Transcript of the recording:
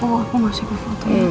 oh aku ngasih pak foto